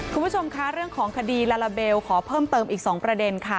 คุณผู้ชมคะเรื่องของคดีลาลาเบลขอเพิ่มเติมอีก๒ประเด็นค่ะ